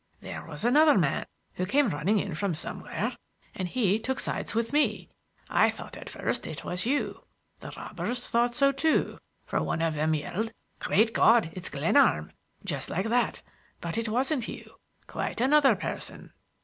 There was another man who came running in from somewhere, and he took sides with me. I thought at first it was you. The robbers thought so, too, for one of them yelled, 'Great God; it's Glenarm!' just like that. But it wasn't you, but quite another person."